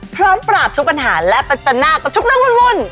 พร้อมปราบทุกปัญหาและปัจจนากับทุกเรื่องวุ่น